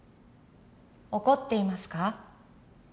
怒っていますか？